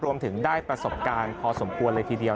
รวมถึงได้ประสบการณ์พอสมควรเลยทีเดียว